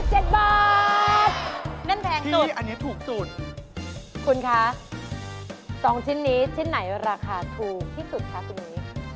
นั่นแพงสุดคุณค่ะสองชิ้นนี้ชิ้นไหนราคาถูกที่สุดครับคุณนี้